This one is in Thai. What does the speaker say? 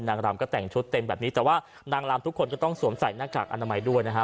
นางรำก็แต่งชุดเต็มแบบนี้แต่ว่านางลำทุกคนก็ต้องสวมใส่หน้ากากอนามัยด้วยนะฮะ